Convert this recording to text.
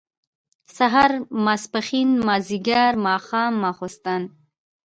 سهار ، ماسپښين، مازيګر، ماښام ، ماسخوتن